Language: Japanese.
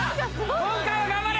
今回は頑張れ！